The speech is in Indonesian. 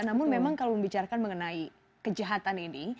namun memang kalau membicarakan mengenai kejahatan ini